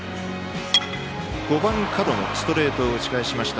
５番、門野ストレートを打ち返しました。